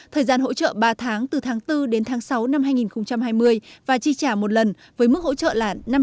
thời gian hỗ trợ ba tháng từ tháng bốn đến tháng sáu năm hai nghìn hai mươi và trì trả một lần với mức hỗ trợ là